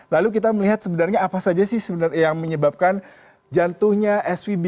lalu kita melihat sebenarnya apa saja sih sebenarnya yang menyebabkan jatuhnya svb